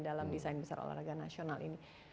dalam desain besar olahraga nasional ini